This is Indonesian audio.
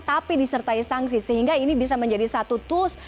tapi disertai sanksi sehingga ini bisa menjadi satu tools